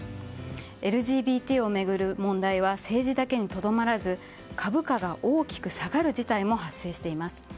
ＬＧＢＴを巡る問題は政治だけにとどまらず株価が大きく下がる事態も発生しています。